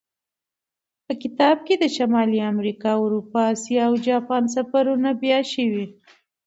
په کتاب کې د شمالي امریکا، اروپا، اسیا او جاپان سفرونه بیان شوي.